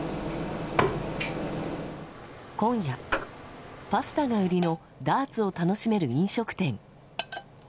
今夜、パスタが売りのダーツを楽しめる飲食店。